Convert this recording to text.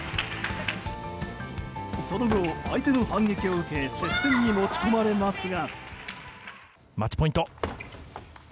その後、相手の反撃を受け接戦に持ち込まれますが。